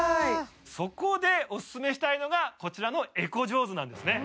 そこでオススメしたいのがこちらのエコジョーズなんですね